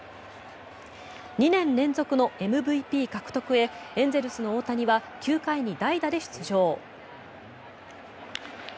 ２年連続のＭＶＰ獲得へエンゼルスの大谷は９回に代打で出場。